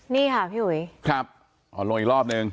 นี่ค่ะพี่อุ๋ยครับอ๋อลงอีกรอบนึง